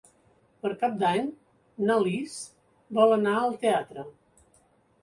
Per Cap d'Any na Lis vol anar al teatre.